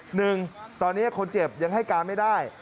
หนึ่งตอนนี้คนเจ็บยังให้การไม่ได้